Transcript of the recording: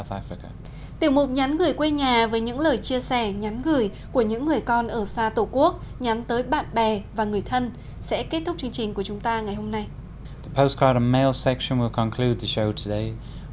tiểu mục nhắn gửi quê nhà với những lời chia sẻ nhắn gửi của những người con ở xa tổ quốc nhắm tới bạn bè và người thân sẽ kết thúc chương trình của chúng ta ngày hôm nay